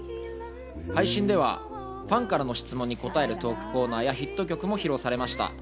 配信ではファンからの質問に答えるトークコーナーやヒット曲も披露されました。